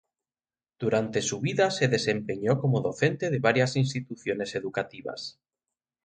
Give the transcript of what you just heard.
Durante su vida se desempeñó como docente de varias instituciones educativas.